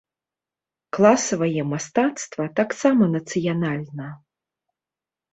Класавае мастацтва таксама нацыянальна.